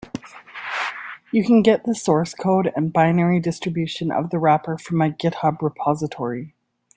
You can get the source code and binary distribution of the wrapper from my github repository.